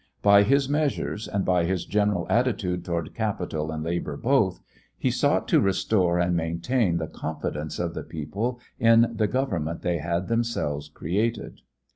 By his measures, and by his general attitude toward capital and labor both, he sought to restore and maintain the confidence of the people in the Government they had themselves created.